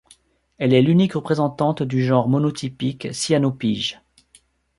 Elle est l'unique représentante du genre monotypique Cyanopyge.